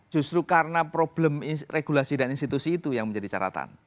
justru karena problem regulasi dan institusi itu yang menjadi catatan